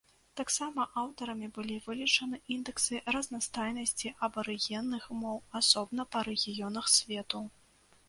Таксама аўтарамі былі вылічаны індэксы разнастайнасці абарыгенных моў асобна па рэгіёнах свету.